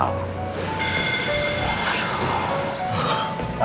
tapi akhirnya malah ketemu sama al